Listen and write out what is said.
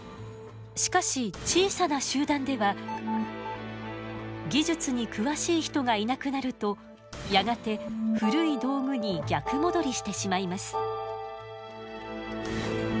しかし小さな集団では技術に詳しい人がいなくなるとやがて古い道具に逆戻りしてしまいます。